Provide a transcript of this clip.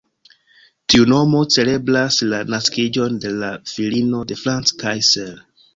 Tiu nomo celebras la naskiĝon de la filino de Franz Kaiser.